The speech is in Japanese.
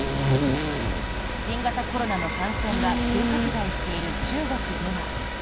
新型コロナの感染が急拡大している中国では。